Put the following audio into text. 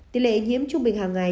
tỷ lệ nhiễm trung bình hàng ngày